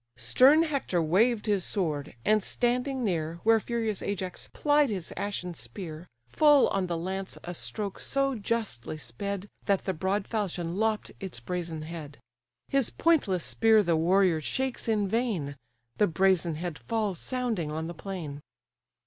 Stern Hector waved his sword, and standing near, Where furious Ajax plied his ashen spear, Full on the lance a stroke so justly sped, That the broad falchion lopp'd its brazen head; His pointless spear the warrior shakes in vain; The brazen head falls sounding on the plain.